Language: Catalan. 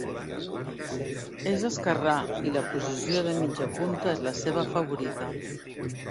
És esquerrà, i la posició de mitja punta és la seva favorita.